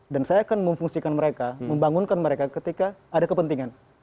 dan saya akan memfungsikan mereka membangunkan mereka ketika ada kepentingan